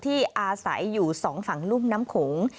อาศัยอยู่สองฝั่งรุ่มน้ำโขง